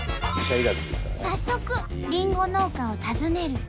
早速りんご農家を訪ねると。